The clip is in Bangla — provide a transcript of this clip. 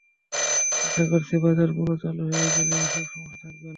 আশা করছি, বাজার পুরো চালু হয়ে গেলে এসব সমস্যা থাকবে না।